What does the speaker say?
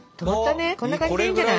こんな感じでいいんじゃない？